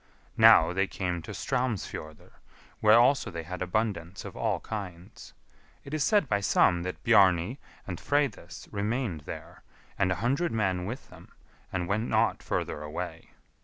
Now they came to Straumsfjordr, where also they had abundance of all kinds. It is said by some that Bjarni and Freydis remained there, and a hundred men with them, and went not further away.